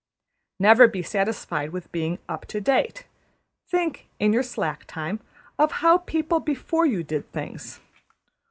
Never be satisfied with being up to date. Think, in your slack time, of how people before you did things.